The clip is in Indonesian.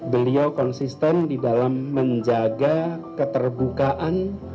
beliau konsisten di dalam menjaga keterbukaan